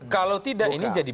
kalau tidak ini jadi